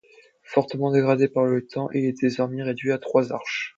Fortement dégradé par le temps, il est désormais réduit à trois arches.